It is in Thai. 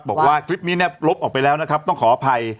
บอกว่าคลิปนี้เนี่ยลบออกไปแล้วนะครับต้องขออภัย